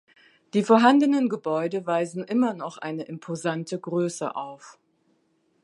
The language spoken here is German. Die vorhandenen Gebäude weisen immer noch eine imposante Größe auf.